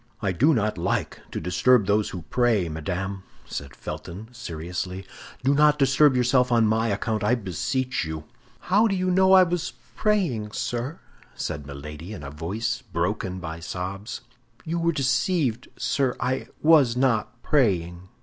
"I do not like to disturb those who pray, madame," said Felton, seriously; "do not disturb yourself on my account, I beseech you." "How do you know I was praying, sir?" said Milady, in a voice broken by sobs. "You were deceived, sir; I was not praying."